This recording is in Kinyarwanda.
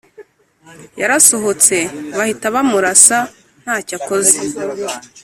Yarasohotse bahita bamurasa ntacyo akoze